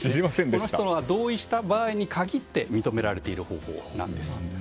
この人が同意した場合に限って認められているということなんです。